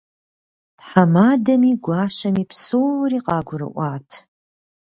Тхьэмадэми гуащэми псори къагурыӏуат.